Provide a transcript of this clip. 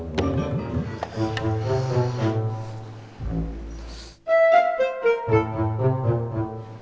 nanti saya telepon balik